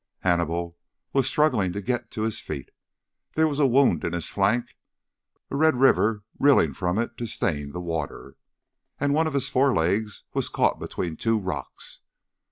Hannibal was struggling to get to his feet. There was a wound in his flank, a red river rilling from it to stain the water. And one of his forelegs was caught between two rocks.